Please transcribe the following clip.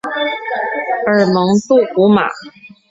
而蒙杜古马。